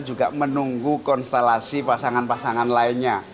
pak jokowi juga menunggu konstelasi pasangan pasangan lainnya